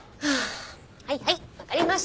はいはいわかりました。